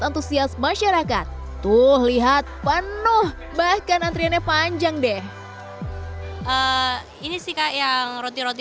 antusias masyarakat tuh lihat penuh bahkan antriannya panjang deh ini sih kak yang roti roti